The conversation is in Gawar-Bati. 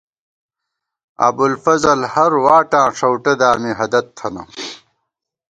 ابُوالفضل ہر واٹاں ݭؤٹہ دامی ہَدَت تھنہ